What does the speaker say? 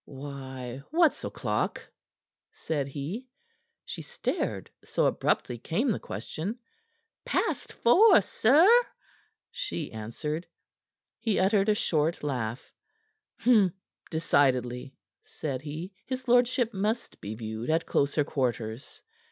"Why, what's o'clock?" said he. She stared, so abruptly came the question. "Past four, sir," she answered. He uttered a short laugh. "Decidedly," said he, "his lordship must be viewed at closer quarters."